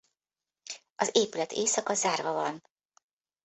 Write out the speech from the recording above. Az épület éjszaka zárva van.